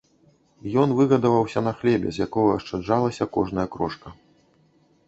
Ён выгадаваўся на хлебе, з якога ашчаджалася кожная крошка.